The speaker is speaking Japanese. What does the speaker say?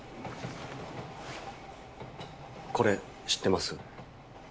これ知ってます？